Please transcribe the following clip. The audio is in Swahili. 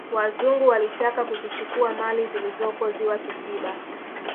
wazungu walitaka kuzichukua mali zilizopo ziwa kisiba